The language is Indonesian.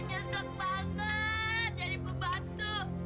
nyesep banget jadi pembantu